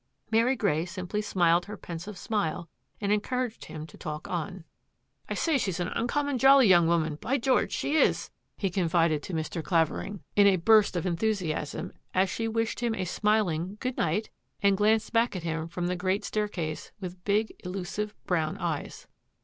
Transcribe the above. '' Mary Grey simply smiled her pensive smile and encouraged him to talk on. " I say, she's an uncommon jolly young woman, by Greorge, she is! " he confided to Mr. Clavering PORTSTEAiyS WILL 187 in a burst of enthusiasm as she wished him a smil ing " good night," and glanced back at him from the great staircase with big, elusive brown eyes.